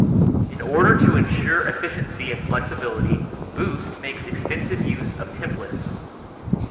In order to ensure efficiency and flexibility, Boost makes extensive use of templates.